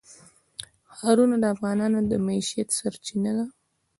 ښارونه د افغانانو د معیشت سرچینه ده.